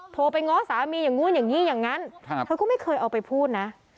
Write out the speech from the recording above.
โทรไปง้อสามีอย่างนู้นอย่างนี้อย่างนั้นเธอก็ไม่เคยเอาไปพูดนะ